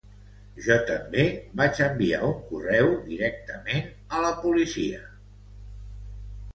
Jo també vaig enviar un correu directament a la policia espanyola.